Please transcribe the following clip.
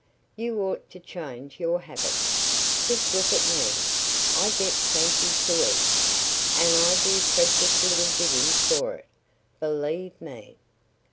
"You ought to change your habits. Just look at me! I get plenty to eat. And I do precious little digging for it, believe me!